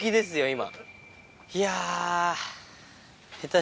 今。